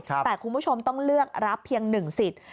แต่คุณผู้ชมต้องเลือกรับเพียง๑สิทธิ์